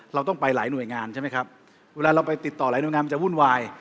เราต้องไปหลายหน่วยงานใช่ไหมครับเวลาเราไปติดต่อหลายหน่วยงานมันจะวุ่นวาย